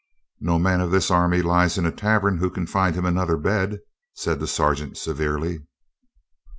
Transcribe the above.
"No man of this army lies in a tavern who can find him another bed," said the sergeant severely.